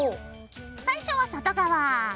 最初は外側。